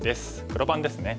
黒番ですね。